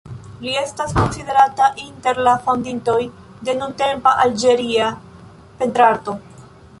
Li estas konsiderata inter la fondintoj de nuntempa Alĝeria pentrarto.